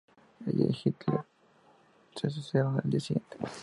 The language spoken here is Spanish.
Ella y Hitler se suicidaron el día siguiente.